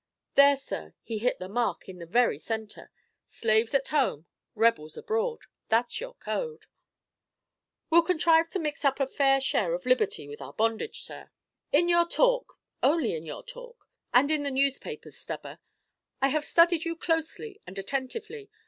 There, sir, he hit the mark in the very centre. Slaves at home, rebels abroad, that's your code!" "We contrive to mix up a fair share of liberty with our bondage, sir." "In your talk, only in your talk; and in the newspapers, Stubber. I have studied you closely and attentively.